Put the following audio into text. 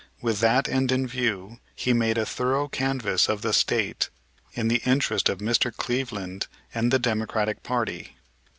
With that end in view he made a thorough canvass of the State in the interest of Mr. Cleveland and the Democratic party.